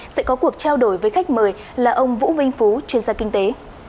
sẽ có cuộc trao đổi với khách mời là ông vũ vinh phú chuyên gia kinh tế